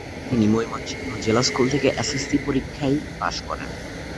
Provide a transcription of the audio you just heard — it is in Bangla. তিনি ময়মনসিংহ জিলা স্কুল থেকে এস এস সি পরীক্ষাইয় পাস করেন।